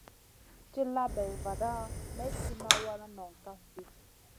Tilla bay vada may tì wana nong kaf ɗi.